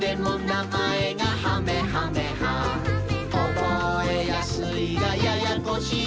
「覚えやすいがややこしい」